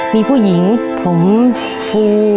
มีผู้หญิงผมฟู